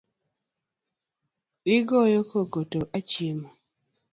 Igoyo koko to achiemo.